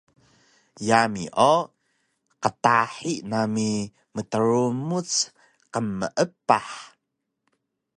Yami o qtahi nami mdrumuc qmeepah